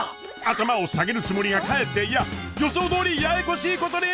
頭を下げるつもりがかえっていや予想どおりややこしいことに！